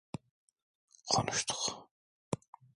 Konuştuk…